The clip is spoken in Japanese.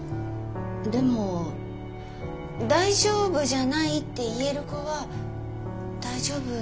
でも「大丈夫じゃない」って言える子は大丈夫なんじゃない？